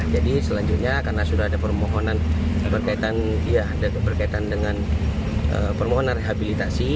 jadi selanjutnya karena sudah ada permohonan berkaitan dengan permohonan rehabilitasi